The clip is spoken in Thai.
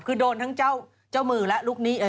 คือโดนทั้งเจ้ามือและลูกนี้เลย